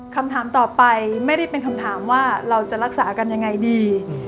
คำถามต่อไปไม่ได้เป็นคำถามว่าเราจะรักษากันยังไงดี